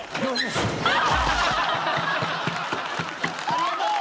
ありがとう！